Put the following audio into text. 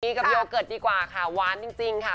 กับโยเกิร์ตดีกว่าค่ะหวานจริงค่ะ